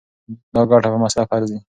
دا ګټه په مصرف ارزي.